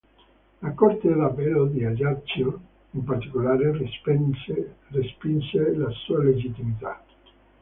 La Corte d'Appello di Ajaccio in particolare respinse la sua legittimità.